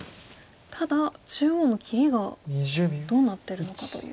ただ中央の切りがどうなってるのかという。